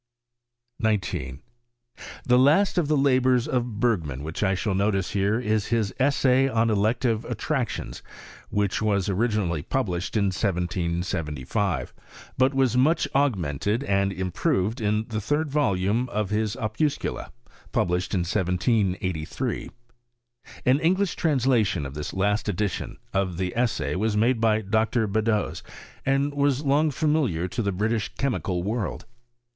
19. The last of the labours of Bergman which I «hail notice here is his Essay on Elective Attractions, ■which was originally published in 1775, but was much augmented and improved in the third Tolume of his Opuscula, published in 1783. An English translation of this last edition of the Essay was made by Dr. Beddoes, and was long familiar to the British chemical world.